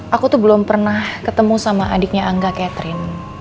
aku tuh belum pernah ketemu sama adiknya angga catherine